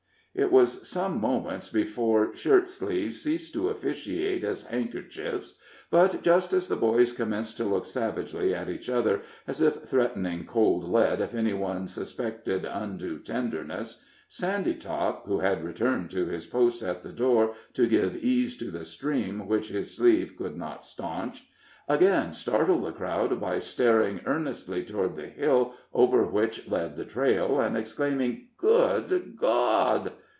It was some moments before shirt sleeves ceased to officiate as handkerchiefs; but just as the boys commenced to look savagely at each other, as if threatening cold lead if any one suspected undue tenderness, Sandytop, who had returned to his post at the door to give ease to the stream which his sleeve could not staunch, again startled the crowd by staring earnestly toward the hill over which led the trail, and exclaiming, "Good God!"